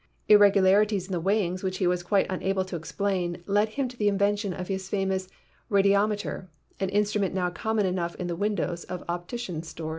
Irregularities in the weighings which he was quite unable to explain led him to the invention of his famous radiometer, an instrument now common enough in the windows of opticians' stores.